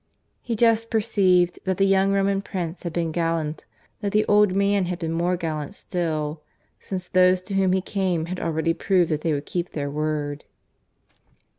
He just perceived that the young Roman prince had been gallant; that the old man had been more gallant still, since those to whom he came had already proved that they would keep their word.